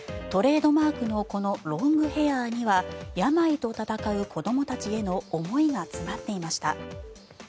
トレードマークのこのロングヘアには病と闘う子どもたちへの思いが詰まっていました。